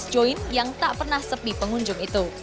interior yang dimiliki ruchis join yang tak pernah sepi pengunjung itu